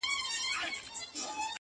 نن به یې ستره او سنګینه تنه!.